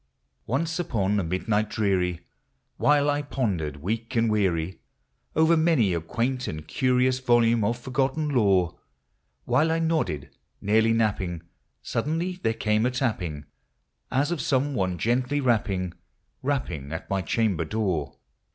Once upon a midnight dreary, while I pondered, weak and weary, Over many a quaint and curious volume of forgotten lore, — While I nodded, nearly napping, suddenly there came ;i tupping, 156 POEMS OF FANCY. As of some one gently rapping, rapping at my chamber door.